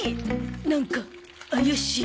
なんか怪しい。